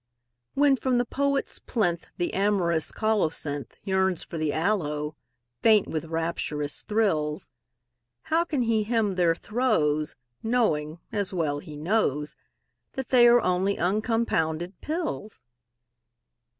When from the poet's plinth The amorous colocynth Yearns for the aloe, faint with rapturous thrills, How can he hymn their throes Knowing, as well he knows, That they are only uncompounded pills?